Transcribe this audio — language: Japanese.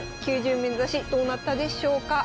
９０面指しどうなったでしょうか？